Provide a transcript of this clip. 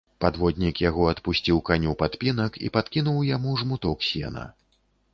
Падводнік яго адпусціў каню падпінак і падкінуў яму жмуток сена.